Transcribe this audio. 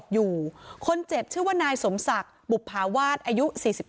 อยู่คนเจ็บชื่อว่านายสมศักดิ์บุภาวาสอายุ๔๕